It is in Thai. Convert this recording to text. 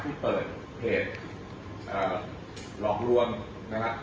ที่เปิดเพจหลอกรวมนะครับ